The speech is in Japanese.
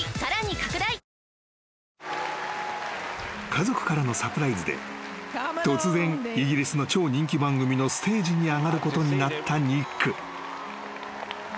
［家族からのサプライズで突然イギリスの超人気番組のステージに上がることになったニック］